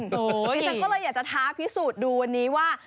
ฉันก็เลยอยากจะท้าพิสูจน์ดูวันนี้ว่า